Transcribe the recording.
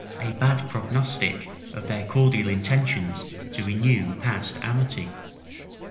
[*] A bad prognostic of their cordial intentions to renew past amity!